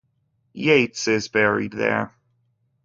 Yates is buried there.